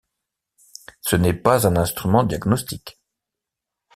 Ce n’est pas un instrument diagnostique.